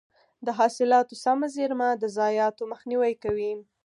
د حاصلاتو سمه زېرمه د ضایعاتو مخنیوی کوي.